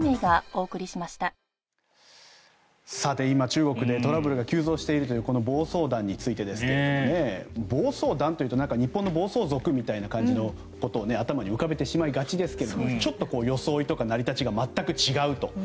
今、中国でトラブルが急増しているというこの暴走団についてですけども暴走団というと、日本の暴走族みたいな感じのことを頭に浮かべてしまいがちですけどちょっと装いとか成り立ちが全く違うと。